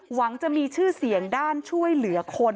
หวังจะมีชื่อเสียงด้านช่วยเหลือคน